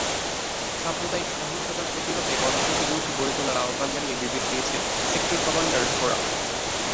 সাম্প্রদায়িক সহিংসতার প্রতিবাদে গণপ্রতিরোধ গড়ে তোলার আহ্বান জানিয়ে বিবৃতি দিয়েছে সেক্টর কমান্ডারস ফোরাম।